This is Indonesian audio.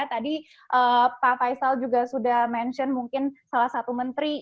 tadi pak faisal juga sudah mention mungkin salah satu menteri